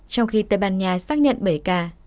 trong khi tây ban nha xác nhận bảy ca